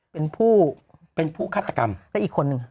เป็นผู้เป็นผู้ฆาตกรรมและอีกคนนึง